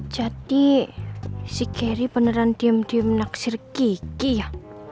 jadi si kerry beneran diem diem menaksir kiki ya